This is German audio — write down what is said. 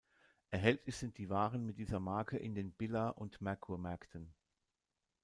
Erhältlich sind die Waren mit dieser Marke in den Billa- und Merkur-Märkten.